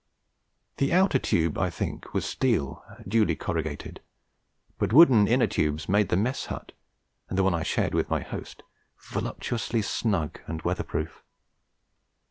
The outer tube I think was steel duly corrugated but wooden inner tubes made the mess hut and the one I shared with my host voluptuously snug and weather proof.